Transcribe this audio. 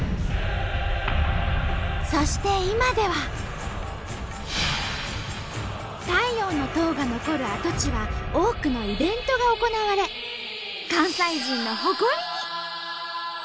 そして今では太陽の塔が残る跡地は多くのイベントが行われ関西人の誇りに！